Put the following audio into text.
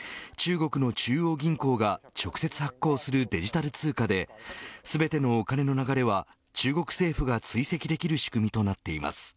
中国の中央銀行が直接発行するデジタル通貨で全てのお金の流れは中国政府が追跡できる仕組みとなっています。